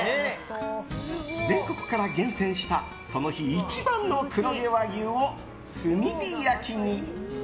全国から厳選したその日一番の黒毛和牛を炭火焼きに。